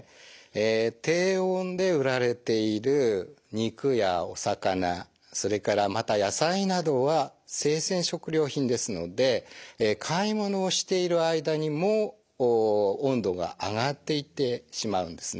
低温で売られている肉やお魚それからまた野菜などは生鮮食料品ですので買い物をしている間にも温度が上がっていってしまうんですね。